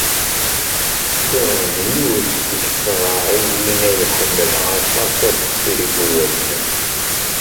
Ta d yiwet seg tɣariwin ay ḥemmleɣ aṭas akk deg-wen.